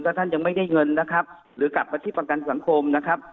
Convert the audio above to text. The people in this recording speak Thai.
ท่านยังไม่ได้เงินนะครับหรือกลับมาที่ประกันสังคมนะครับ